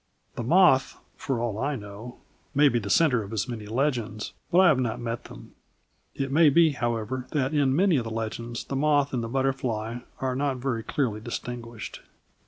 The moth, for all I know, may be the centre of as many legends but I have not met them. It may be, however, that in many of the legends the moth and the butterfly are not very clearly distinguished.